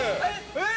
えっ！？